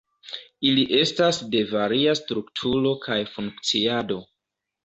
Ili estas de varia strukturo kaj funkciado.